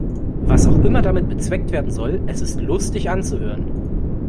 Was auch immer damit bezweckt werden soll, es ist lustig anzuhören.